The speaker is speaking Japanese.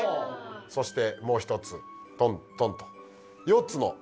そしてもう１つトントンと。